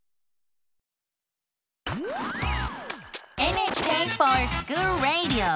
「ＮＨＫｆｏｒＳｃｈｏｏｌＲａｄｉｏ」。